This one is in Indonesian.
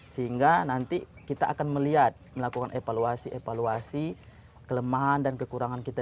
sehingga nanti kita akan melihat melakukan evaluasi evaluasi kelemahan dan kekurangan kita